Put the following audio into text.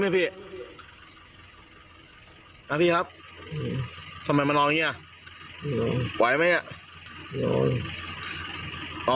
เนี้ยพี่อ่ะพี่ครับอืมทำไมมานอนอย่างงี้อ่ะนอนไหวไหมเนี้ยนอน